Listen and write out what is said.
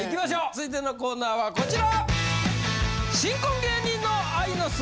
続いてのコーナーはこちら！